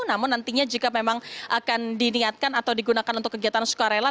namun nantinya jika memang akan diniatkan atau digunakan untuk kegiatan sukarela